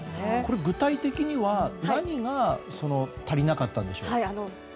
具体的には何が足りなかったんでしょうか？